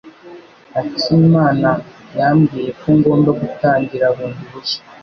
Akimana yambwiye ko ngomba gutangira bundi bushya.